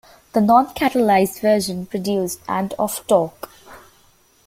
The non-catalyzed version produced and of torque.